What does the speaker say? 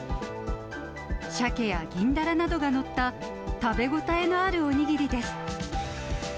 シャケや銀ダラなどが載った、食べ応えのあるお握りです。